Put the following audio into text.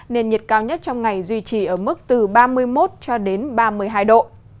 nền nhiệt cao nhất trong ngày duy trì ở mức từ ba mươi một ba mươi hai độ